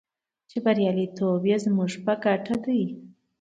چې بریالیتوب یې زموږ په ګټه دی.